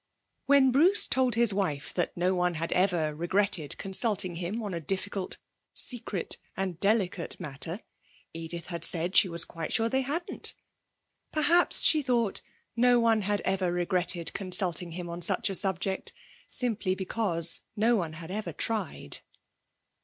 When Bruce told his wife that no one had ever regretted consulting him on a difficult, secret, and delicate matter, Edith had said she was quite sure they hadn't. Perhaps she thought no one had ever regretted consulting him on such a subject, simply because no one had ever tried.